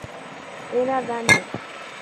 Era daña.